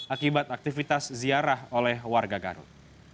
akibat aktivitas ziarah oleh warga garut